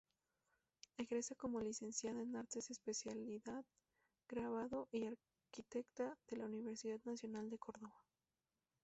Egresa como Licenciada en Artes-especialidad Grabado- y Arquitecta, de la Universidad Nacional de Córdoba.